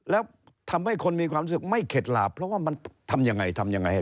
แล้วทำให้คนมีความรู้สึกไม่เข็ดหลาบเพราะว่ามันทำยังไงทำยังไง